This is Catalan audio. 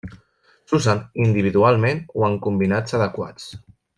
S'usen individualment o en combinats adequats.